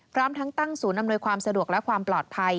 พร้อมทั้งตั้งศูนย์อำนวยความสะดวกและความปลอดภัย